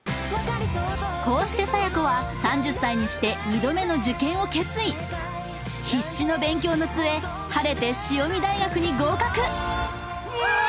こうして佐弥子は３０歳にして２度目の受験を決意必死の勉強の末晴れて潮海大学に合格うわ！